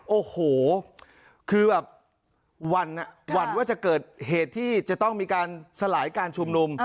โอ้โหคือแบบวันว่าจะเกิดเหตุที่จะต้องมีการสลายการชุมนุม